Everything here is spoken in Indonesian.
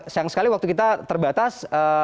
sayang sekali waktu kita terbatas